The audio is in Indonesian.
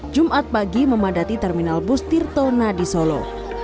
jumat pagi memadati terminal bus tirto nadi solo